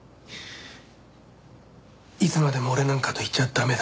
いつまでも俺なんかといちゃ駄目だ。